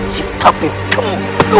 si tabib gemplung itu